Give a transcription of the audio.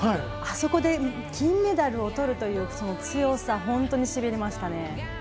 あそこで金メダルをとるという強さ、本当にしびれましたね。